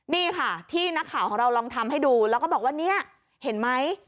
นี่ค่ะที่นักข่าวของเราลองทำให้ดูแล้วก็บอกว่าเนี่ยเห็นไหม